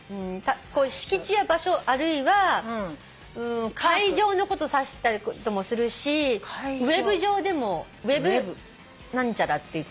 敷地や場所あるいは会場のこと指したりもするしウェブ上でもウェブ何チャラって言ったり。